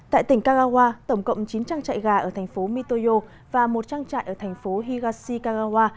tại tỉnh kagawa tổng cộng chín trang trại gà ở thành phố mitoyo và một trang trại ở thành phố higashi kagawa